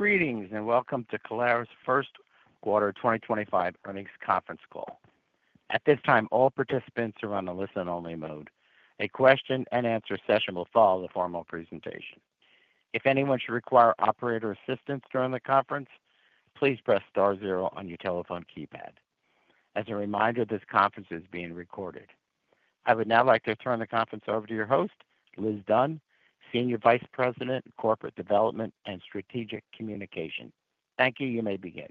Greetings and welcome to Caleres' first quarter 2025 earnings conference call. At this time, all participants are on a listen-only mode. A question-and-answer session will follow the formal presentation. If anyone should require operator assistance during the conference, please press star zero on your telephone keypad. As a reminder, this conference is being recorded. I would now like to turn the conference over to your host, Liz Dunn, Senior Vice President, Corporate Development and Strategic Communication. Thank you. You may begin.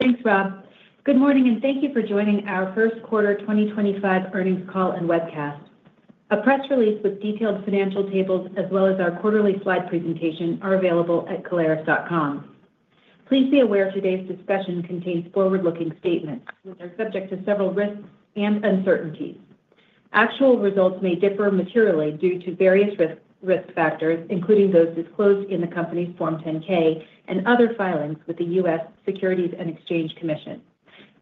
Thanks, Rob. Good morning and thank you for joining our first quarter 2025 earnings call and webcast. A press release with detailed financial tables, as well as our quarterly slide presentation, are available at caleres.com. Please be aware today's discussion contains forward-looking statements which are subject to several risks and uncertainties. Actual results may differ materially due to various risk factors, including those disclosed in the company's Form 10-K and other filings with the U.S. Securities and Exchange Commission.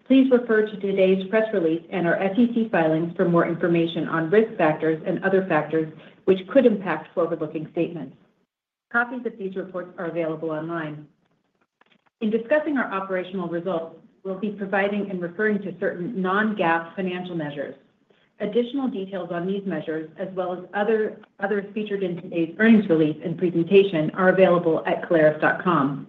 Please refer to today's press release and our SEC filings for more information on risk factors and other factors which could impact forward-looking statements. Copies of these reports are available online. In discussing our operational results, we'll be providing and referring to certain non-GAAP financial measures. Additional details on these measures, as well as others featured in today's earnings release and presentation, are available at caleres.com.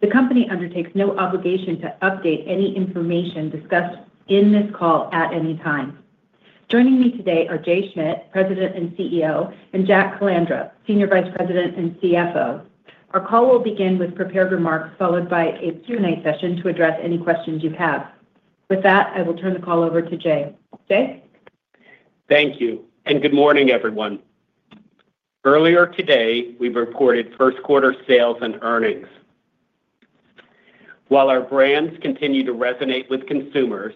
The company undertakes no obligation to update any information discussed in this call at any time. Joining me today are Jay Schmidt, President and CEO, and Jack Calandra, Senior Vice President and CFO. Our call will begin with prepared remarks followed by a Q&A session to address any questions you have. With that, I will turn the call over to Jay. Jay? Thank you and good morning, everyone. Earlier today, we reported first-quarter sales and earnings. While our brands continue to resonate with consumers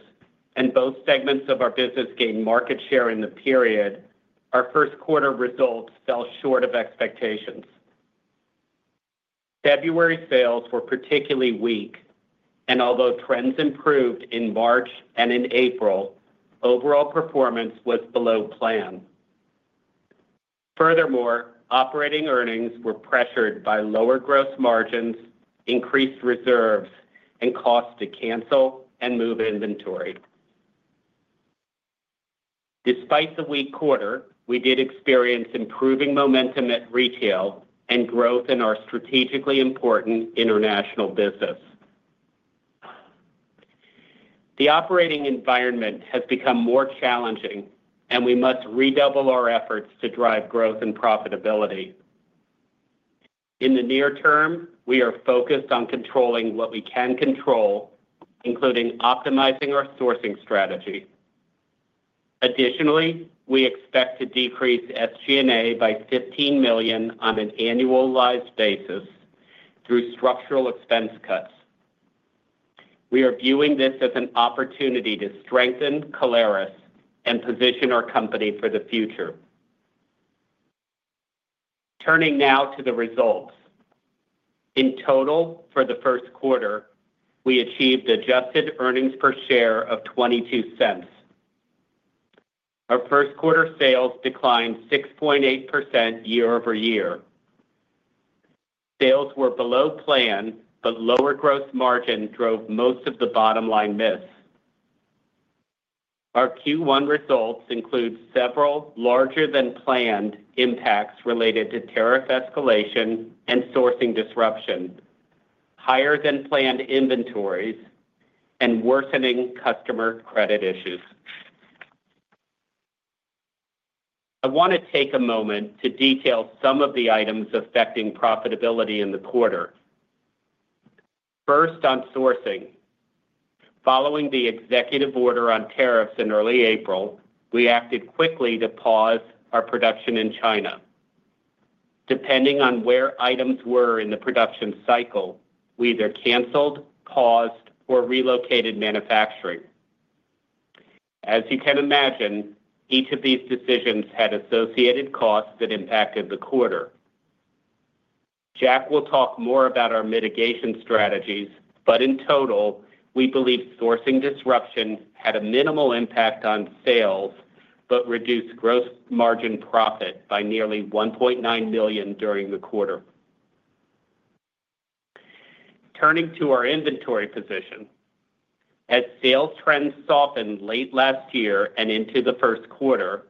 and both segments of our business gained market share in the period, our first-quarter results fell short of expectations. February sales were particularly weak, and although trends improved in March and in April, overall performance was below plan. Furthermore, operating earnings were pressured by lower gross margins, increased reserves, and costs to cancel and move inventory. Despite the weak quarter, we did experience improving momentum at retail and growth in our strategically important international business. The operating environment has become more challenging, and we must redouble our efforts to drive growth and profitability. In the near term, we are focused on controlling what we can control, including optimizing our sourcing strategy. Additionally, we expect to decrease SG&A by $15 million on an annualized basis through structural expense cuts. We are viewing this as an opportunity to strengthen Caleres and position our company for the future. Turning now to the results. In total, for the first quarter, we achieved adjusted earnings per share of $0.22. Our first-quarter sales declined 6.8% year over year. Sales were below plan, but lower gross margin drove most of the bottom line miss. Our Q1 results include several larger-than-planned impacts related to tariff escalation and sourcing disruption, higher-than-planned inventories, and worsening customer credit issues. I want to take a moment to detail some of the items affecting profitability in the quarter. First, on sourcing. Following the executive order on tariffs in early April, we acted quickly to pause our production in China. Depending on where items were in the production cycle, we either canceled, paused, or relocated manufacturing. As you can imagine, each of these decisions had associated costs that impacted the quarter. Jack will talk more about our mitigation strategies, but in total, we believe sourcing disruption had a minimal impact on sales but reduced gross margin profit by nearly $1.9 million during the quarter. Turning to our inventory position. As sales trends softened late last year and into the first quarter,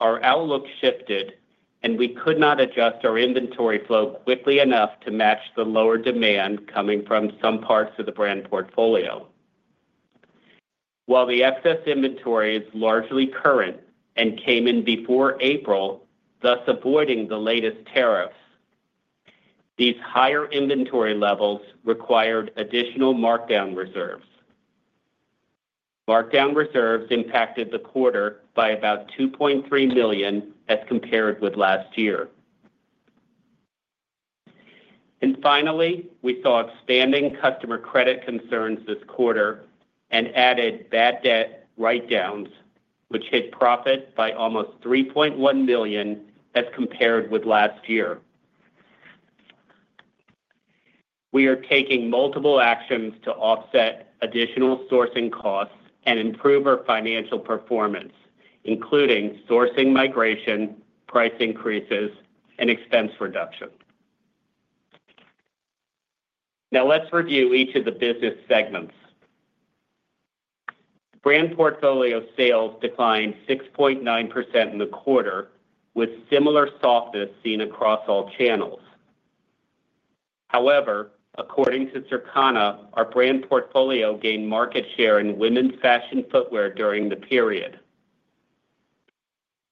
our outlook shifted, and we could not adjust our inventory flow quickly enough to match the lower demand coming from some parts of the brand portfolio. While the excess inventory is largely current and came in before April, thus avoiding the latest tariffs, these higher inventory levels required additional markdown reserves. Markdown reserves impacted the quarter by about $2.3 million as compared with last year. Finally, we saw expanding customer credit concerns this quarter and added bad debt write-downs, which hit profit by almost $3.1 million as compared with last year. We are taking multiple actions to offset additional sourcing costs and improve our financial performance, including sourcing migration, price increases, and expense reduction. Now, let's review each of the business segments. Brand Portfolio sales declined 6.9% in the quarter, with similar softness seen across all channels. However, according to Circana, our Brand Portfolio gained market share in women's fashion footwear during the period.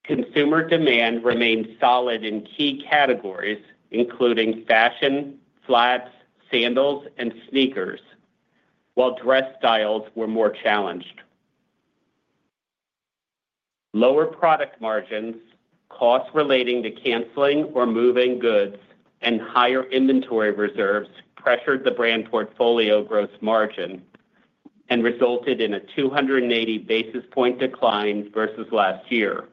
Consumer demand remained solid in key categories, including fashion, flats, sandals, and sneakers, while dress styles were more challenged. Lower product margins, costs relating to canceling or moving goods, and higher inventory reserves pressured the Brand Portfolio gross margin and resulted in a 280 basis point decline versus last year.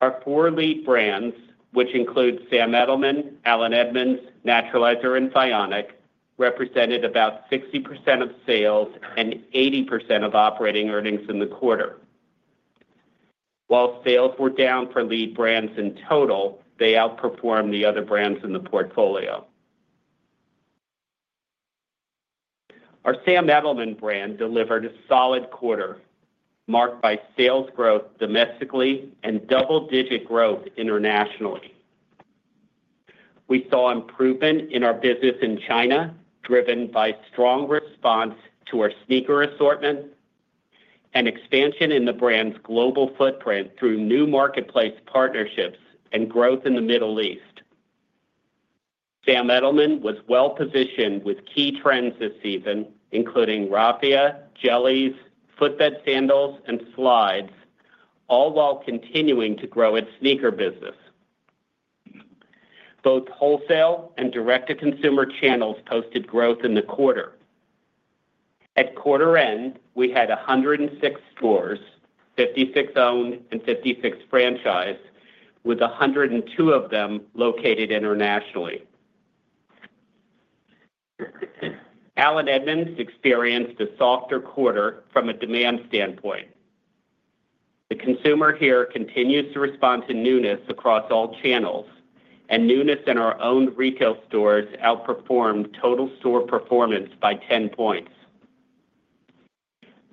Our four lead brands, which include Sam Edelman, Allen Edmonds, Naturalizer, and Vionic, represented about 60% of sales and 80% of operating earnings in the quarter. While sales were down for lead brands in total, they outperformed the other brands in the portfolio. Our Sam Edelman brand delivered a solid quarter, marked by sales growth domestically and double-digit growth internationally. We saw improvement in our business in China, driven by strong response to our sneaker assortment and expansion in the brand's global footprint through new marketplace partnerships and growth in the Middle East. Sam Edelman was well-positioned with key trends this season, including raffia, jellies, footbed sandals, and slides, all while continuing to grow its sneaker business. Both wholesale and direct-to-consumer channels posted growth in the quarter. At quarter end, we had 106 stores, 56 owned, and 56 franchised, with 102 of them located internationally. Allen Edmonds experienced a softer quarter from a demand standpoint. The consumer here continues to respond to newness across all channels, and newness in our own retail stores outperformed total store performance by 10 points.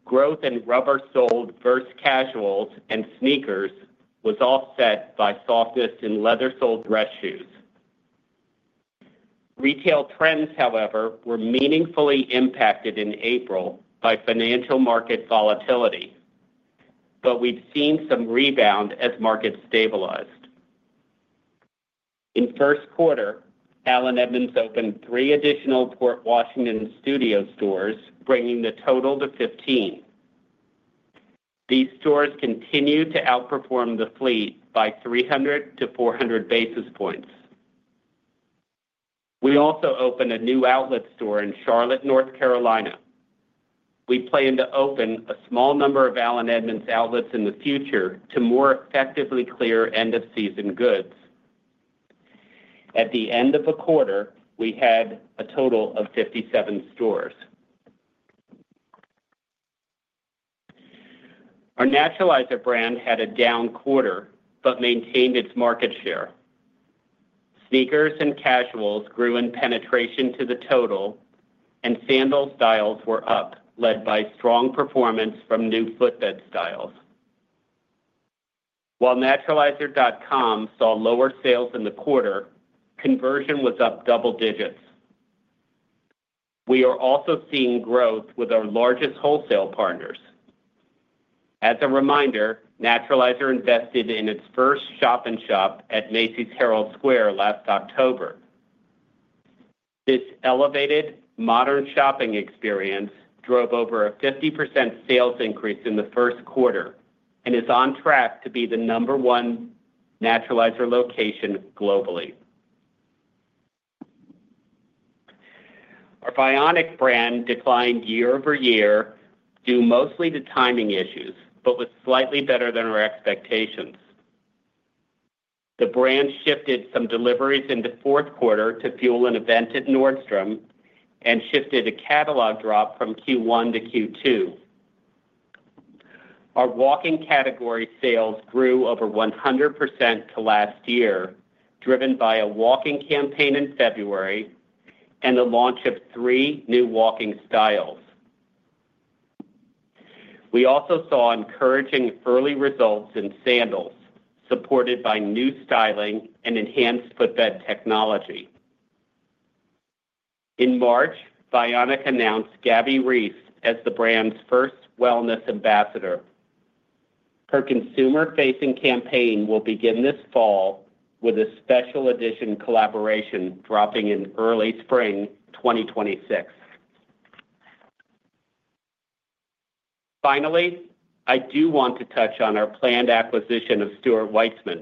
Growth in rubber-soled casuals and sneakers was offset by softness in leather-soled dress shoes. Retail trends, however, were meaningfully impacted in April by financial market volatility, but we've seen some rebound as markets stabilized. In first quarter, Allen Edmonds opened three additional Port Washington studio stores, bringing the total to 15. These stores continue to outperform the fleet by 300 basis points-400 basis points. We also opened a new outlet store in Charlotte, North Carolina. We plan to open a small number of Allen Edmonds outlets in the future to more effectively clear end-of-season goods. At the end of the quarter, we had a total of 57 stores. Our Naturalizer brand had a down quarter but maintained its market share. Sneakers and casuals grew in penetration to the total, and sandal styles were up, led by strong performance from new footbed styles. While Naturalizer.com saw lower sales in the quarter, conversion was up double digits. We are also seeing growth with our largest wholesale partners. As a reminder, Naturalizer invested in its first shop-in-shop at Macy's Herald Square last October. This elevated, modern shopping experience drove over a 50% sales increase in the first quarter and is on track to be the number one Naturalizer location globally. Our Vionic brand declined year over year due mostly to timing issues but was slightly better than our expectations. The brand shifted some deliveries into fourth quarter to fuel an event at Nordstrom and shifted a catalog drop from Q1 to Q2. Our walking category sales grew over 100% to last year, driven by a walking campaign in February and the launch of three new walking styles. We also saw encouraging early results in sandals, supported by new styling and enhanced footbed technology. In March, Vionic announced Gabby Reece as the brand's first wellness ambassador. Her consumer-facing campaign will begin this fall with a special edition collaboration dropping in early spring 2026. Finally, I do want to touch on our planned acquisition of Stuart Weitzman.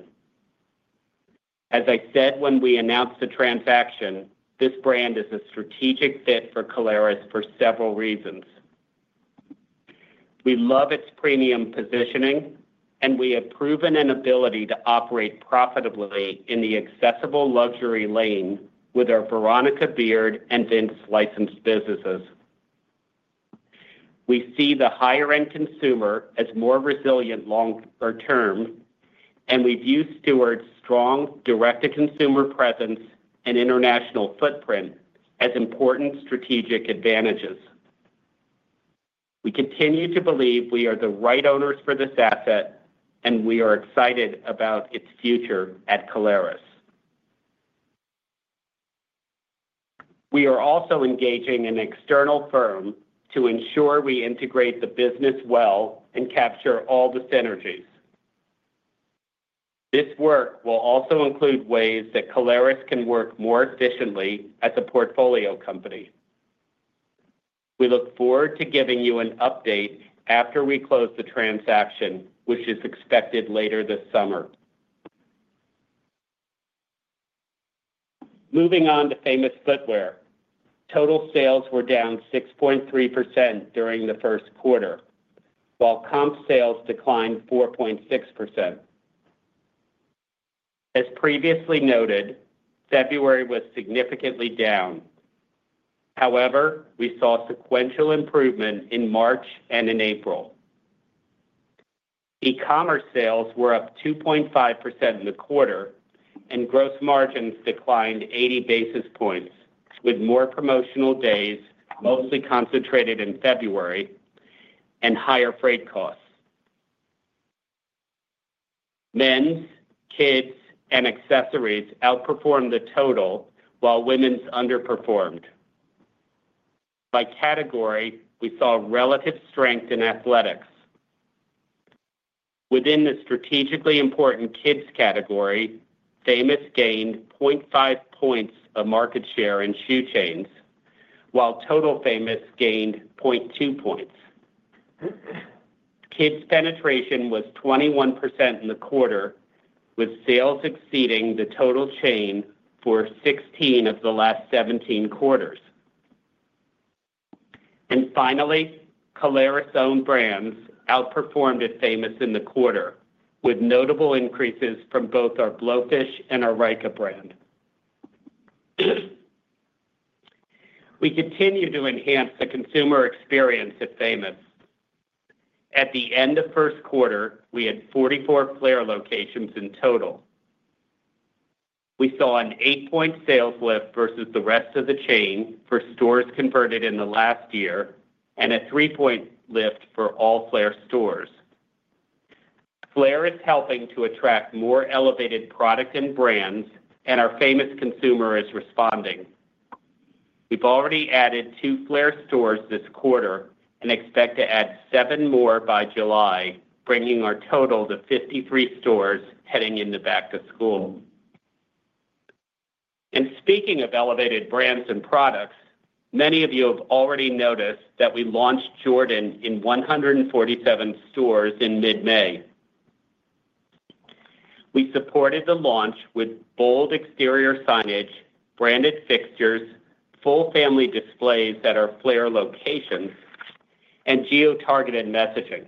As I said when we announced the transaction, this brand is a strategic fit for Caleres for several reasons. We love its premium positioning, and we have proven an ability to operate profitably in the accessible luxury lane with our Veronica Beard and Vince licensed businesses. We see the higher-end consumer as more resilient longer term, and we view Stuart's strong direct-to-consumer presence and international footprint as important strategic advantages. We continue to believe we are the right owners for this asset, and we are excited about its future at Caleres. We are also engaging an external firm to ensure we integrate the business well and capture all the synergies. This work will also include ways that Caleres can work more efficiently as a portfolio company. We look forward to giving you an update after we close the transaction, which is expected later this summer. Moving on to Famous Footwear. Total sales were down 6.3% during the first quarter, while comp sales declined 4.6%. As previously noted, February was significantly down. However, we saw sequential improvement in March and in April. E-commerce sales were up 2.5% in the quarter, and gross margins declined 80 basis points, with more promotional days mostly concentrated in February and higher freight costs. Men, kids, and accessories outperformed the total, while women's underperformed. By category, we saw relative strength in athletics. Within the strategically important kids category, Famous gained 0.5 points of market share in shoe chains, while total Famous gained 0.2 points. Kids penetration was 21% in the quarter, with sales exceeding the total chain for 16 of the last 17 quarters. Finally, Caleres' own brands outperformed at Famous in the quarter, with notable increases from both our Blowfish and our Rykä brand. We continue to enhance the consumer experience at Famous. At the end of the first quarter, we had 44 FLAIR locations in total. We saw an 8-point sales lift versus the rest of the chain for stores converted in the last year and a 3-point lift for all FLAIR stores. FLAIR is helping to attract more elevated product and brands, and our Famous consumer is responding. We have already added two FLAIR stores this quarter and expect to add seven more by July, bringing our total to 53 stores heading into back-to-school. Speaking of elevated brands and products, many of you have already noticed that we launched Jordan in 147 stores in mid-May. We supported the launch with bold exterior signage, branded fixtures, full family displays at our FLAIR locations, and geo-targeted messaging.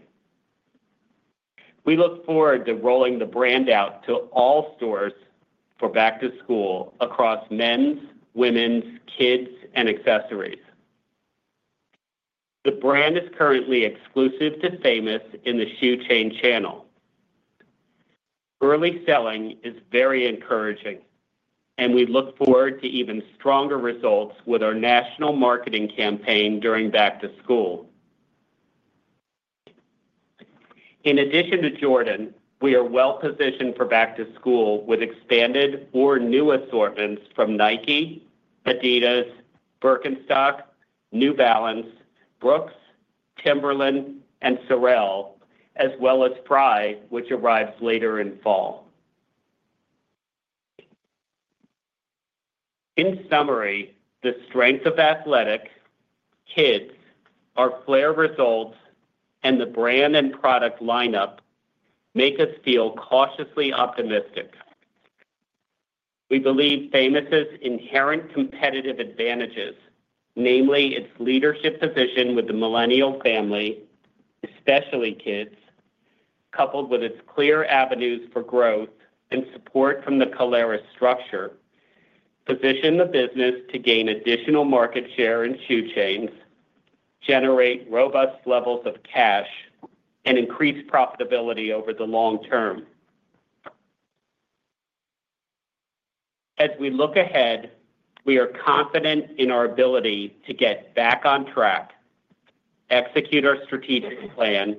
We look forward to rolling the brand out to all stores for back-to-school across men's, women's, kids, and accessories. The brand is currently exclusive to Famous in the shoe chain channel. Early selling is very encouraging, and we look forward to even stronger results with our national marketing campaign during back-to-school. In addition to Jordan, we are well-positioned for back-to-school with expanded or new assortments from Nike, Adidas, Birkenstock, New Balance, Brooks, Timberland, and Sorel, as well as Frye, which arrives later in fall. In summary, the strength of athletic, kids, our FLAIR results, and the brand and product lineup make us feel cautiously optimistic. We believe Famous Footwear's inherent competitive advantages, namely its leadership position with the millennial family, especially kids, coupled with its clear avenues for growth and support from the Caleres structure, position the business to gain additional market share in shoe chains, generate robust levels of cash, and increase profitability over the long term. As we look ahead, we are confident in our ability to get back on track, execute our strategic plan,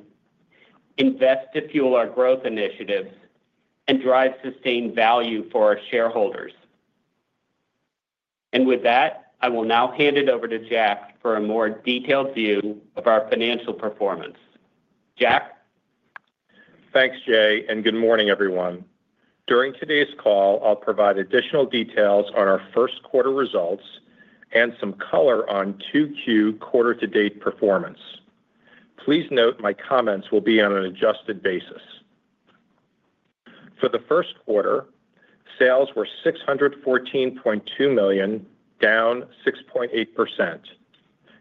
invest to fuel our growth initiatives, and drive sustained value for our shareholders. With that, I will now hand it over to Jack for a more detailed view of our financial performance. Jack? Thanks, Jay, and good morning, everyone. During today's call, I'll provide additional details on our first quarter results and some color on Q2 quarter-to-date performance. Please note my comments will be on an adjusted basis. For the first quarter, sales were $614.2 million, down 6.8%.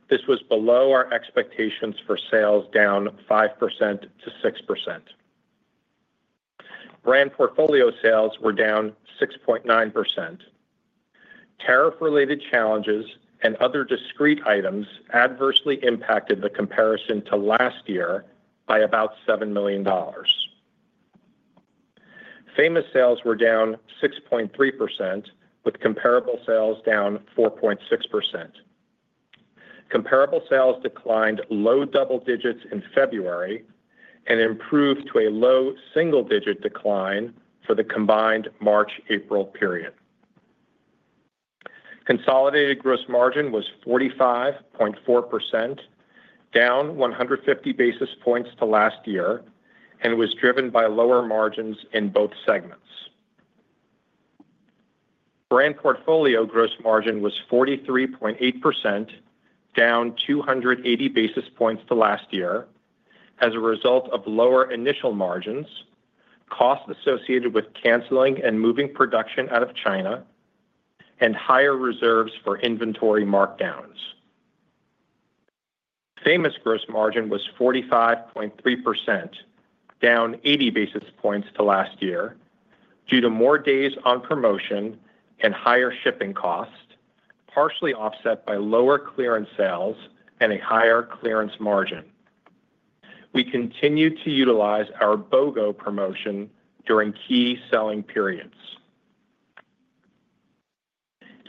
This was below our expectations for sales down 5%-6%. Brand Portfolio sales were down 6.9%. Tariff-related challenges and other discrete items adversely impacted the comparison to last year by about $7 million. Famous sales were down 6.3%, with comparable sales down 4.6%. Comparable sales declined low double digits in February and improved to a low single-digit decline for the combined March-April period. Consolidated gross margin was 45.4%, down 150 basis points to last year, and was driven by lower margins in both segments. Brand portfolio gross margin was 43.8%, down 280 basis points to last year, as a result of lower initial margins, costs associated with canceling and moving production out of China, and higher reserves for inventory markdowns. Famous gross margin was 45.3%, down 80 basis points to last year, due to more days on promotion and higher shipping costs, partially offset by lower clearance sales and a higher clearance margin. We continue to utilize our BOGO promotion during key selling periods.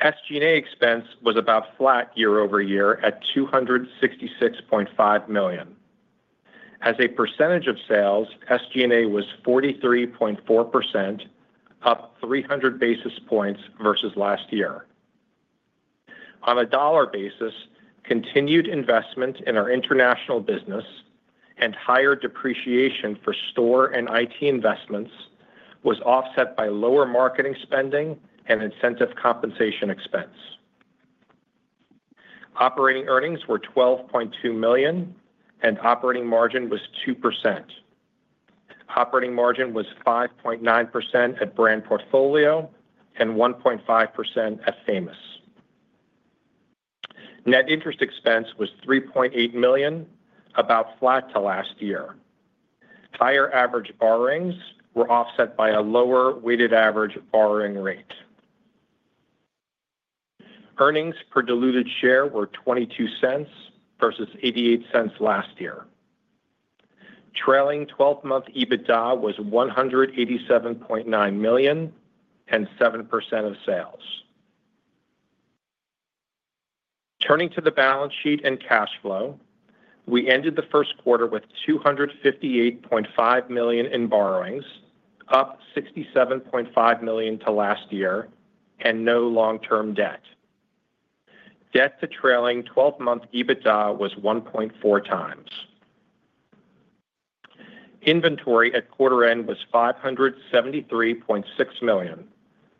SG&A expense was about flat year over year at $266.5 million. As a percentage of sales, SG&A was 43.4%, up 300 basis points versus last year. On a dollar basis, continued investment in our international business and higher depreciation for store and IT investments was offset by lower marketing spending and incentive compensation expense. Operating earnings were $12.2 million, and operating margin was 2%. Operating margin was 5.9% at Brand Portfolio and 1.5% at Famous. Net interest expense was $3.8 million, about flat to last year. Higher average borrowings were offset by a lower weighted average borrowing rate. Earnings per diluted share were $0.22 versus $0.88 last year. Trailing 12-month EBITDA was $187.9 million and 7% of sales. Turning to the balance sheet and cash flow, we ended the first quarter with $258.5 million in borrowings, up $67.5 million to last year, and no long-term debt. Debt to trailing 12-month EBITDA was 1.4x. Inventory at quarter-end was $573.6 million,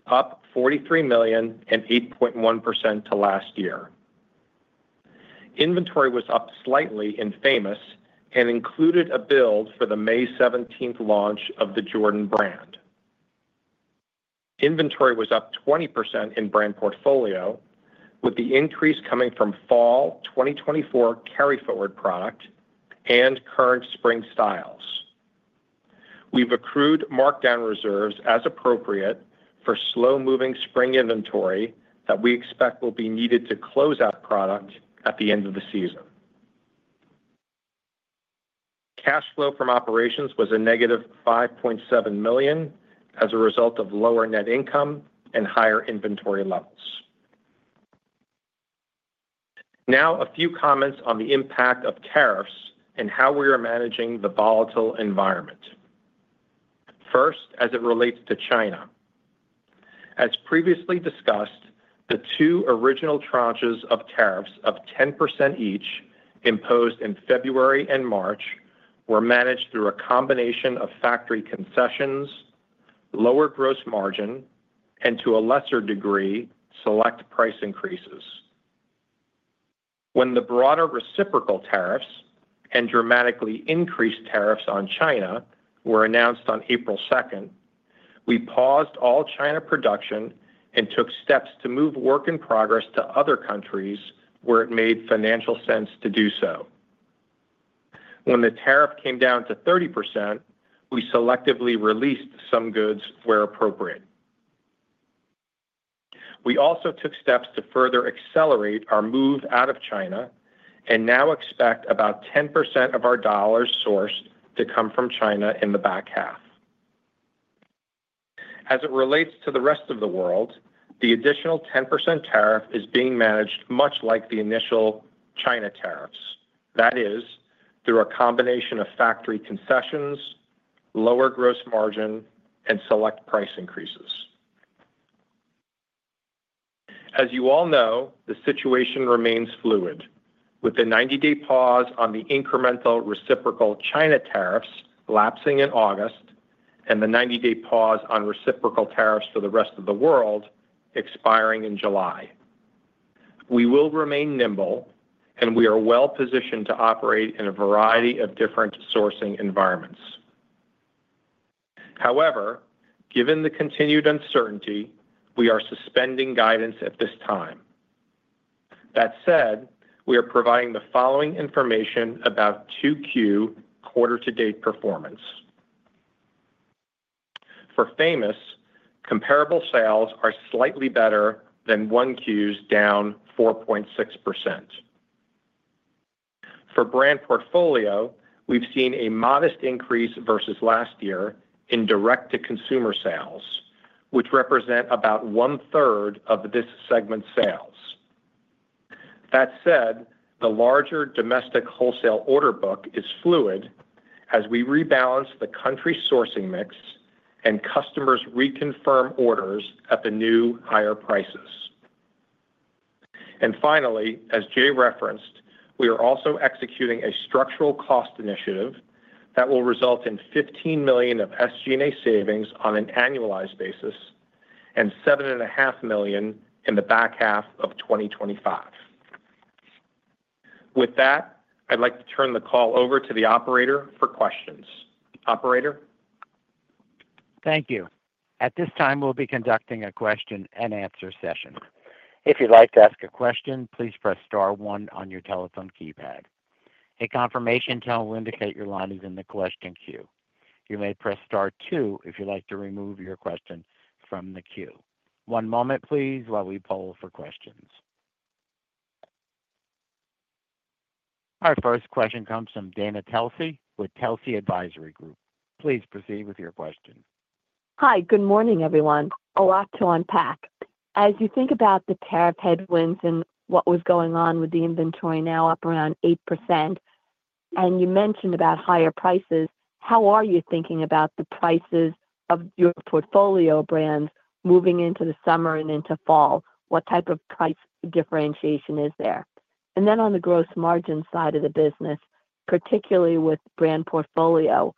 up $43 million and 8.1% to last year. Inventory was up slightly in Famous and included a build for the May 17th launch of the Jordan brand. Inventory was up 20% in Brand Portfolio, with the increase coming from fall 2024 carry-forward product and current spring styles. We've accrued markdown reserves as appropriate for slow-moving spring inventory that we expect will be needed to close out product at the end of the season. Cash flow from operations was a -$5.7 million as a result of lower net income and higher inventory levels. Now, a few comments on the impact of tariffs and how we are managing the volatile environment. First, as it relates to China. As previously discussed, the two original tranches of tariffs of 10% each imposed in February and March were managed through a combination of factory concessions, lower gross margin, and to a lesser degree, select price increases. When the broader reciprocal tariffs and dramatically increased tariffs on China were announced on April 2, we paused all China production and took steps to move work in progress to other countries where it made financial sense to do so. When the tariff came down to 30%, we selectively released some goods where appropriate. We also took steps to further accelerate our move out of China and now expect about 10% of our dollars sourced to come from China in the back half. As it relates to the rest of the world, the additional 10% tariff is being managed much like the initial China tariffs. That is, through a combination of factory concessions, lower gross margin, and select price increases. As you all know, the situation remains fluid, with the 90-day pause on the incremental reciprocal China tariffs lapsing in August and the 90-day pause on reciprocal tariffs for the rest of the world expiring in July. We will remain nimble, and we are well-positioned to operate in a variety of different sourcing environments. However, given the continued uncertainty, we are suspending guidance at this time. That said, we are providing the following information about Q2 quarter-to-date performance. For Famous, comparable sales are slightly better than Q1's down 4.6%. For Brand Portfolio, we've seen a modest increase versus last year in direct-to-consumer sales, which represent about one-third of this segment's sales. That said, the larger domestic wholesale order book is fluid as we rebalance the country sourcing mix and customers reconfirm orders at the new higher prices. Finally, as Jay referenced, we are also executing a structural cost initiative that will result in $15 million of SG&A savings on an annualized basis and $7.5 million in the back half of 2025. With that, I'd like to turn the call over to the operator for questions. Operator? Thank you. At this time, we'll be conducting a question-and-answer session. If you'd like to ask a question, please press star one on your telephone keypad. A confirmation tone will indicate your line is in the question queue. You may press star two if you'd like to remove your question from the queue. One moment, please, while we poll for questions. Our first question comes from Dana Telsey with Telsey Advisory Group. Please proceed with your question. Hi. Good morning, everyone. A lot to unpack. As you think about the tariff headwinds and what was going on with the inventory now up around 8%, and you mentioned about higher prices, how are you thinking about the prices of your portfolio brands moving into the summer and into fall? What type of price differentiation is there? On the gross margin side of the business, particularly with brand portfolio,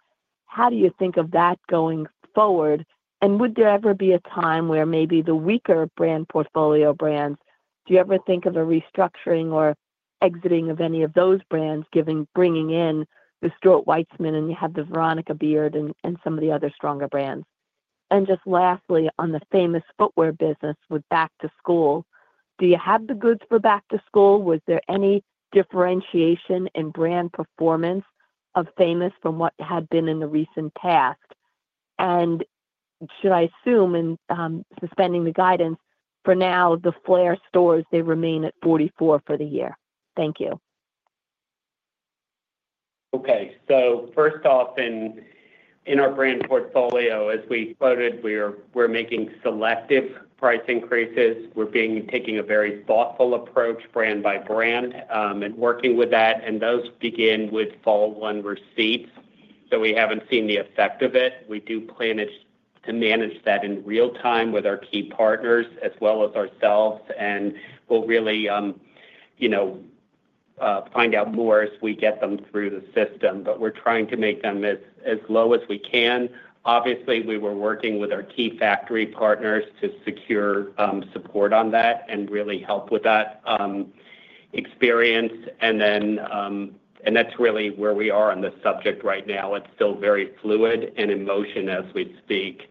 how do you think of that going forward? Would there ever be a time where maybe the weaker brand portfolio brands, do you ever think of a restructuring or exiting of any of those brands bringing in the Stuart Weitzman and you have the Veronica Beard and some of the other stronger brands? Just lastly, on the Famous Footwear business with back-to-school, do you have the goods for back-to-school? Was there any differentiation in brand performance of Famous from what had been in the recent past? And should I assume, suspending the guidance for now, the FLAIR stores, they remain at 44 for the year? Thank you. Okay. First off, in our Brand Portfolio, as we quoted, we're making selective price increases. We're taking a very thoughtful approach brand by brand and working with that. Those begin with fall one receipts. We have not seen the effect of it. We do plan to manage that in real time with our key partners as well as ourselves. We will really find out more as we get them through the system. We are trying to make them as low as we can. Obviously, we are working with our key factory partners to secure support on that and really help with that experience. That is really where we are on the subject right now. It is still very fluid and in motion as we speak.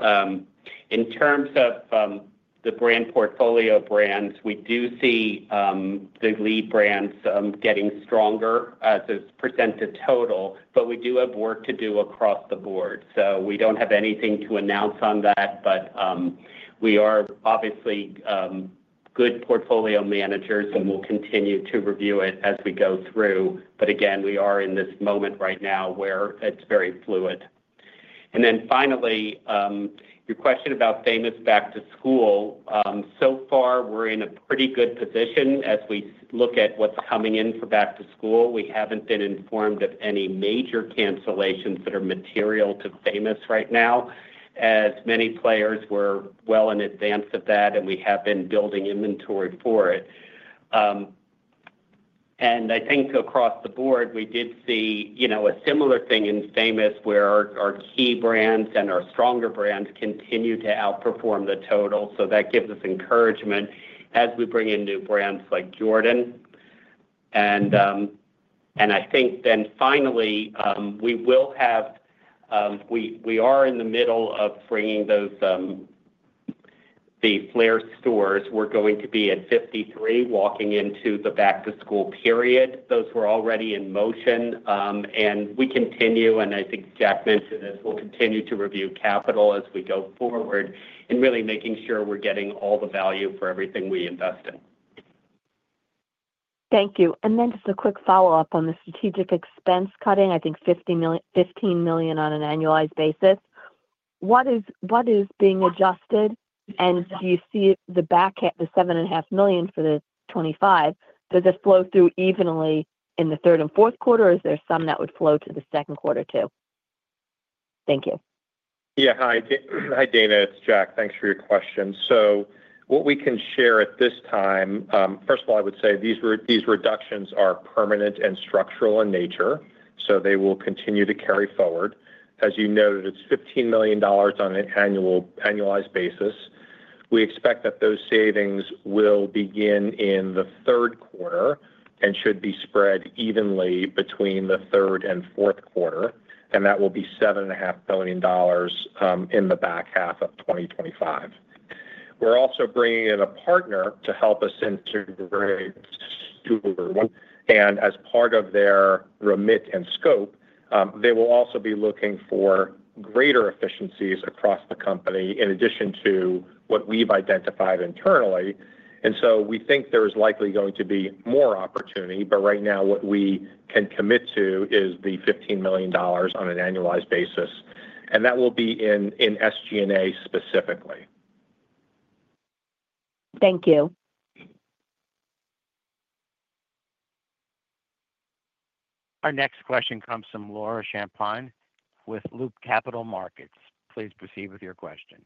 In terms of the Brand Portfolio brands, we do see the lead brands getting stronger as a percentage total, but we do have work to do across the board. We do not have anything to announce on that, but we are obviously good portfolio managers and will continue to review it as we go through. Again, we are in this moment right now where it is very fluid. Finally, your question about Famous back-to-school, so far, we are in a pretty good position as we look at what is coming in for back-to-school. We have not been informed of any major cancellations that are material to Famous right now, as many players were well in advance of that, and we have been building inventory for it. I think across the board, we did see a similar thing in Famous where our key brands and our stronger brands continue to outperform the total. That gives us encouragement as we bring in new brands like Jordan. I think then finally, we are in the middle of bringing the FLAIR stores. We are going to be at 53 walking into the back-to-school period. Those were already in motion. We continue, and I think Jack mentioned this, we will continue to review capital as we go forward and really make sure we are getting all the value for everything we invest in. Thank you. Just a quick follow-up on the strategic expense cutting, I think $15 million on an annualized basis. What is being adjusted? Do you see the back at the $7.5 million for 2025? Does it flow through evenly in the third and fourth quarter, or is there some that would flow to the second quarter too? Thank you. Yeah. Hi, Dana. It's Jack. Thanks for your question. So what we can share at this time, first of all, I would say these reductions are permanent and structural in nature, so they will continue to carry forward. As you noted, it's $15 million on an annualized basis. We expect that those savings will begin in the third quarter and should be spread evenly between the third and fourth quarter. That will be $7.5 million in the back half of 2025. We're also bringing in a partner to help us integrate Stuart. As part of their remit and scope, they will also be looking for greater efficiencies across the company in addition to what we've identified internally. We think there is likely going to be more opportunity, but right now, what we can commit to is the $15 million on an annualized basis. That will be in SG&A specifically. Thank you. Our next question comes from Laura Champine with Loop Capital Markets. Please proceed with your question.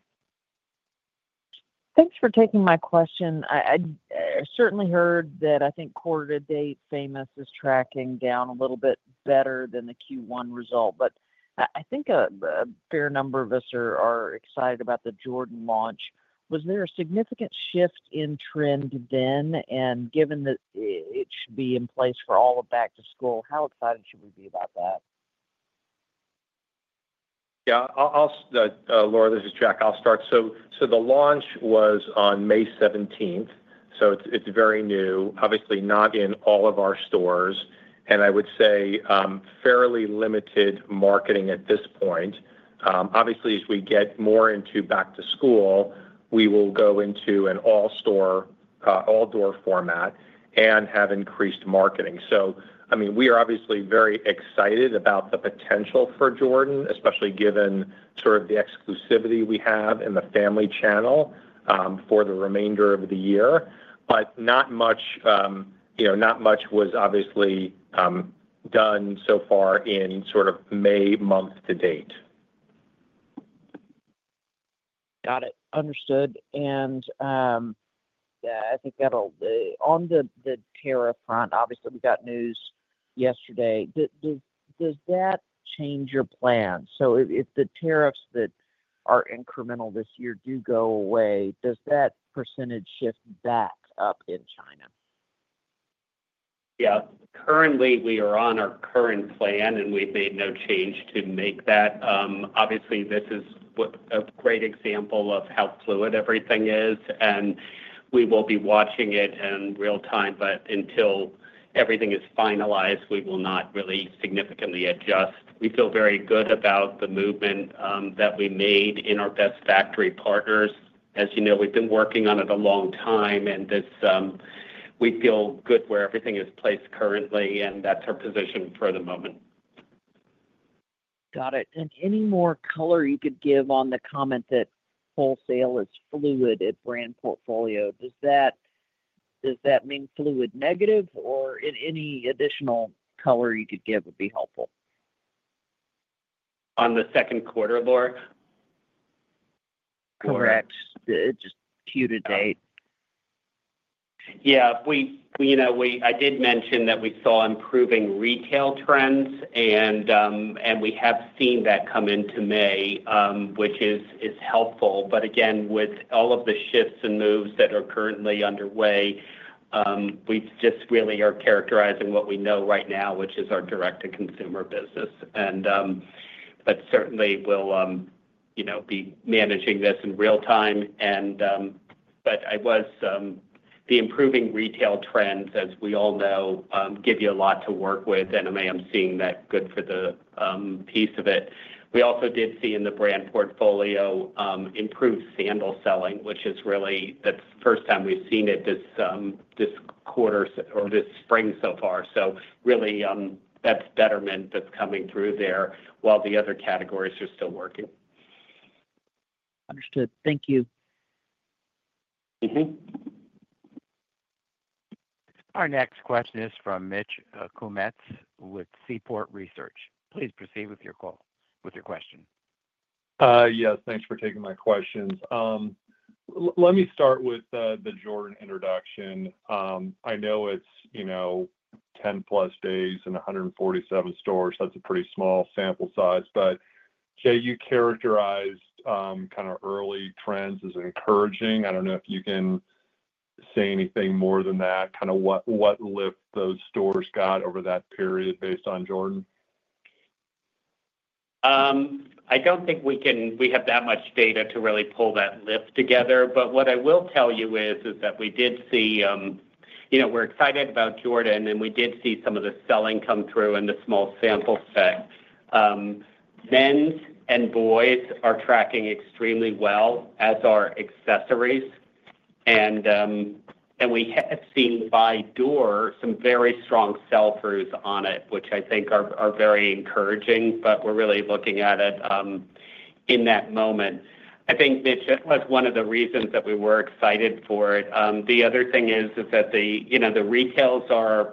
Thanks for taking my question. I certainly heard that I think quarter-to-date Famous is tracking down a little bit better than the Q1 result. I think a fair number of us are excited about the Jordan launch. Was there a significant shift in trend then? Given that it should be in place for all of back-to-school, how excited should we be about that? Yeah. Laura, this is Jack. I'll start. The launch was on May 17th. It is very new, obviously not in all of our stores. I would say fairly limited marketing at this point. Obviously, as we get more into back-to-school, we will go into an all-store, all-door format and have increased marketing. I mean, we are obviously very excited about the potential for Jordan, especially given sort of the exclusivity we have in the family channel for the remainder of the year. Not much was obviously done so far in sort of May month to date. Got it. Understood. I think on the tariff front, obviously, we got news yesterday. Does that change your plan? If the tariffs that are incremental this year do go away, does that percentage shift back up in China? Yeah. Currently, we are on our current plan, and we have made no change to make that. Obviously, this is a great example of how fluid everything is. We will be watching it in real time. Until everything is finalized, we will not really significantly adjust. We feel very good about the movement that we made in our best factory partners. As you know, we've been working on it a long time. We feel good where everything is placed currently, and that's our position for the moment. Got it. Any more color you could give on the comment that wholesale is fluid at brand portfolio? Does that mean fluid negative? Any additional color you could give would be helpful? On the second quarter, Laura? Correct. Just Q to date. Yeah. I did mention that we saw improving retail trends, and we have seen that come into May, which is helpful. But again, with all of the shifts and moves that are currently underway, we just really are characterizing what we know right now, which is our direct-to-consumer business. Certainly, we'll be managing this in real time. The improving retail trends, as we all know, give you a lot to work with. I'm seeing that good for the piece of it. We also did see in the brand portfolio improved sandal selling, which is really the first time we've seen it this quarter or this spring so far. Really, that's betterment that's coming through there while the other categories are still working. Understood. Thank you. Our next question is from Mitch Kummetz with Seaport Research. Please proceed with your question. Yes. Thanks for taking my questions. Let me start with the Jordan introduction. I know it's 10+ days and 147 stores. That's a pretty small sample size. Jay, you characterized kind of early trends as encouraging. I do not know if you can say anything more than that. Kind of what lift those stores got over that period based on Jordan? I do not think we have that much data to really pull that lift together. What I will tell you is that we did see we are excited about Jordan, and we did see some of the selling come through in the small sample set. Men's and boys are tracking extremely well, as are accessories. We have seen by door some very strong sell-throughs on it, which I think are very encouraging. We are really looking at it in that moment. I think Mitch was one of the reasons that we were excited for it. The other thing is that the retails are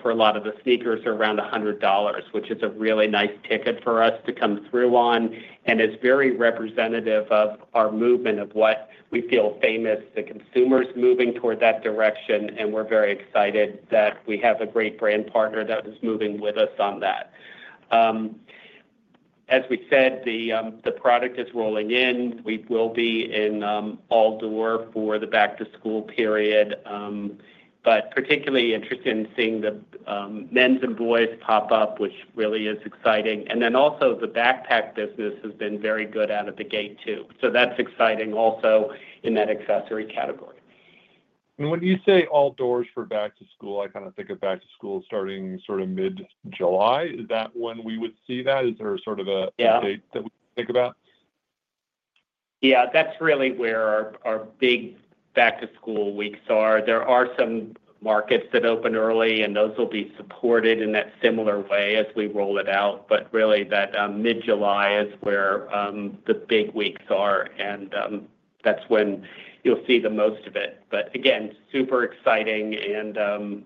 for a lot of the sneakers are around $100, which is a really nice ticket for us to come through on. It is very representative of our movement of what we feel Famous, the consumers moving toward that direction. We are very excited that we have a great brand partner that is moving with us on that. As we said, the product is rolling in. We will be in all-door for the back-to-school period. I am particularly interested in seeing the men's and boys pop up, which really is exciting. Also, the backpack business has been very good out of the gate too. That is exciting also in that accessory category. When you say all-doors for back-to-school, I kind of think of back-to-school starting sort of mid-July. Is that when we would see that? Is there sort of an update that we think about? Yeah. That's really where our big back-to-school weeks are. There are some markets that open early, and those will be supported in that similar way as we roll it out. Really, that mid-July is where the big weeks are. That's when you'll see the most of it. Again, super exciting and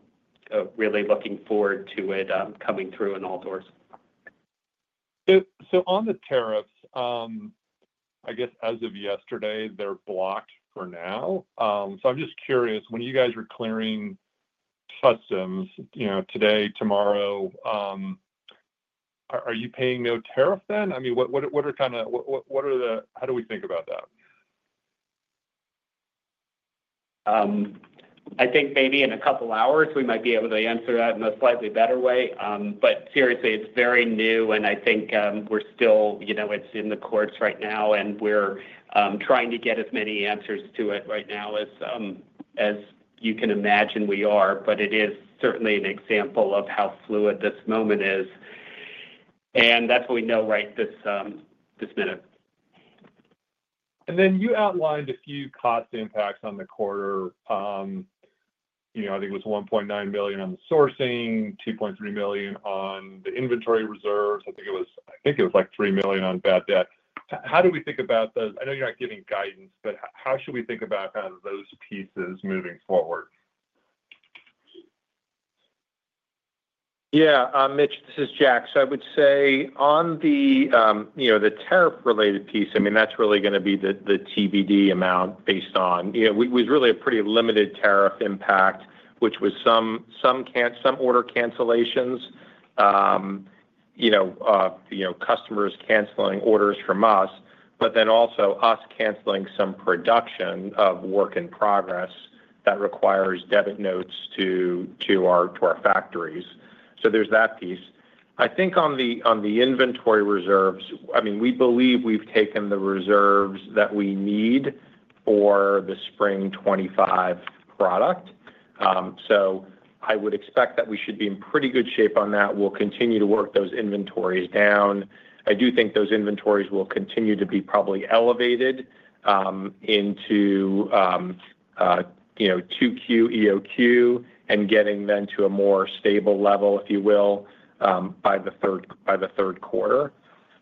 really looking forward to it coming through in all-doors. On the tariffs, I guess as of yesterday, they're blocked for now. I'm just curious, when you guys are clearing customs today, tomorrow, are you paying no tariff then? I mean, what are kind of how do we think about that? I think maybe in a couple of hours, we might be able to answer that in a slightly better way. Seriously, it's very new. I think we're still, it's in the courts right now. We're trying to get as many answers to it right now as you can imagine we are. It is certainly an example of how fluid this moment is. That's what we know right this minute. You outlined a few cost impacts on the quarter. I think it was $1.9 million on the sourcing, $2.3 million on the inventory reserves. I think it was like $3 million on bad debt. How do we think about those? I know you're not giving guidance, but how should we think about kind of those pieces moving forward? Yeah. Mitch, this is Jack. I would say on the tariff-related piece, I mean, that's really going to be the TBD amount based on it was really a pretty limited tariff impact, which was some order cancellations, customers canceling orders from us, but then also us canceling some production of work in progress that requires debit notes to our factories. There's that piece. I think on the inventory reserves, I mean, we believe we've taken the reserves that we need for the spring 2025 product. I would expect that we should be in pretty good shape on that. We'll continue to work those inventories down. I do think those inventories will continue to be probably elevated into 2Q, EOQ, and getting them to a more stable level, if you will, by the third quarter.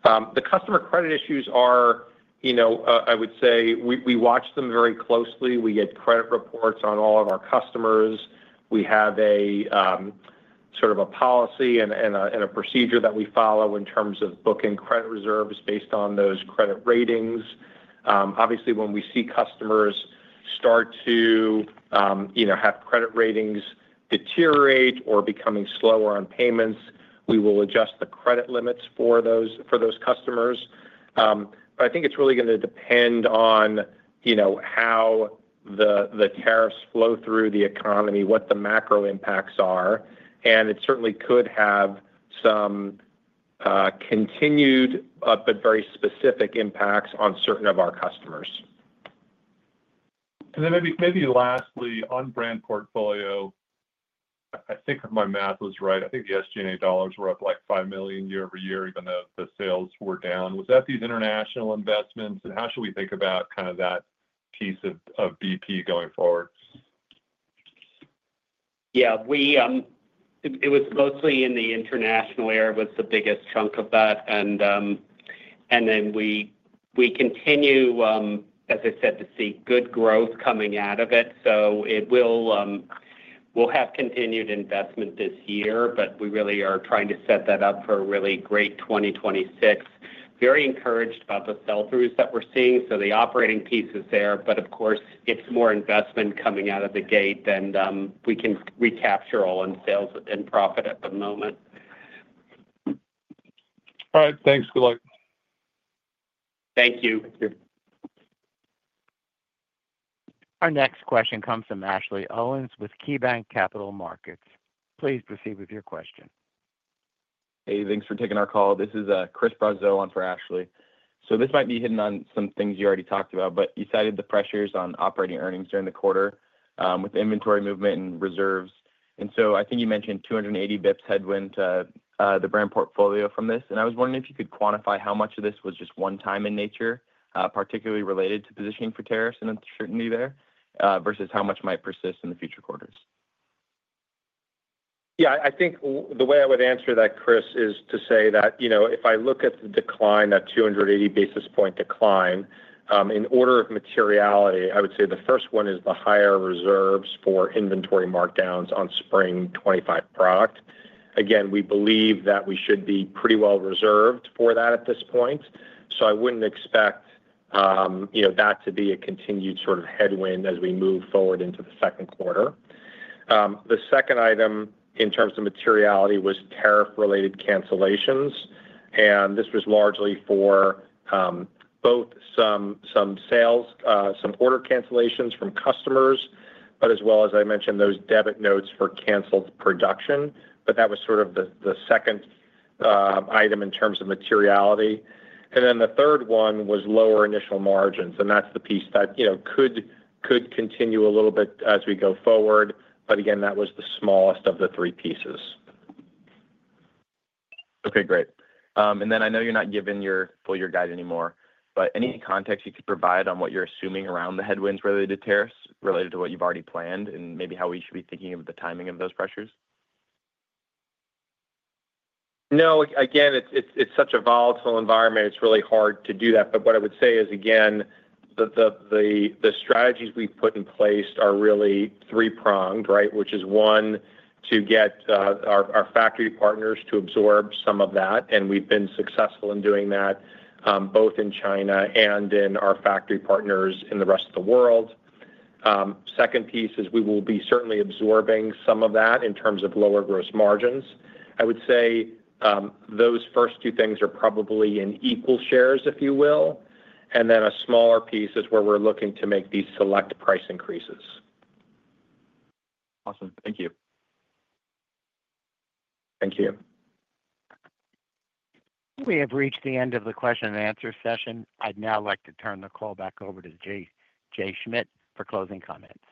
The customer credit issues are, I would say, we watch them very closely. We get credit reports on all of our customers. We have sort of a policy and a procedure that we follow in terms of booking credit reserves based on those credit ratings. Obviously, when we see customers start to have credit ratings deteriorate or becoming slower on payments, we will adjust the credit limits for those customers. I think it's really going to depend on how the tariffs flow through the economy, what the macro impacts are. It certainly could have some continued but very specific impacts on certain of our customers. Maybe lastly, on brand portfolio, I think if my math was right, I think the SG&A dollars were up like $5 million year over year, even though the sales were down. Was that these international investments? How should we think about kind of that piece of BP going forward? Yeah. It was mostly in the international area, was the biggest chunk of that. We continue, as I said, to see good growth coming out of it. We will have continued investment this year. We really are trying to set that up for a really great 2026. Very encouraged by the sell-throughs that we are seeing. The operating piece is there. Of course, it is more investment coming out of the gate than we can recapture all in sales and profit at the moment. All right. Thanks, Calandra. Thank you. Our next question comes from Ashley Owens with KeyBanc Capital Markets. Please proceed with your question. Hey, thanks for taking our call. This is Chris Brazeau on for Ashley. This might be hitting on some things you already talked about, but you cited the pressures on operating earnings during the quarter with inventory movement and reserves. I think you mentioned 280 basis points headwind to the brand portfolio from this. I was wondering if you could quantify how much of this was just one-time in nature, particularly related to positioning for tariffs and uncertainty there, versus how much might persist in future quarters. Yeah. I think the way I would answer that, Chris, is to say that if I look at the decline, that 280 basis point decline, in order of materiality, I would say the first one is the higher reserves for inventory markdowns on spring 2025 product. Again, we believe that we should be pretty well reserved for that at this point. I would not expect that to be a continued sort of headwind as we move forward into the second quarter. The second item in terms of materiality was tariff-related cancellations. This was largely for both some order cancellations from customers, as well as, I mentioned, those debit notes for canceled production. That was the second item in terms of materiality. The third one was lower initial margins. That's the piece that could continue a little bit as we go forward. That was the smallest of the three pieces. Great. I know you're not giving your full year guide anymore. Any context you could provide on what you're assuming around the headwinds related to tariffs, related to what you've already planned, and maybe how we should be thinking of the timing of those pressures? No. It's such a volatile environment. It's really hard to do that. What I would say is, again, the strategies we've put in place are really three-pronged, right, which is one, to get our factory partners to absorb some of that. We've been successful in doing that both in China and in our factory partners in the rest of the world. The second piece is we will be certainly absorbing some of that in terms of lower gross margins. I would say those first two things are probably in equal shares, if you will. A smaller piece is where we're looking to make these select price increases. Awesome. Thank you. Thank you. We have reached the end of the question-and-answer session. I'd now like to turn the call back over to Jay Schmidt for closing comments.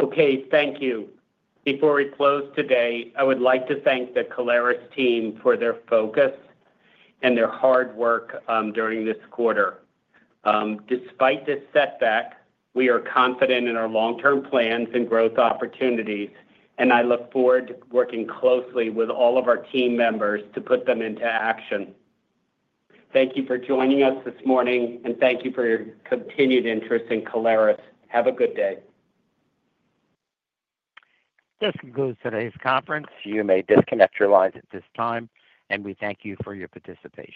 Okay. Thank you. Before we close today, I would like to thank the Caleres team for their focus and their hard work during this quarter. Despite this setback, we are confident in our long-term plans and growth opportunities. I look forward to working closely with all of our team members to put them into action. Thank you for joining us this morning. Thank you for your continued interest in Caleres. Have a good day. This concludes today's conference. You may disconnect your lines at this time. We thank you for your participation.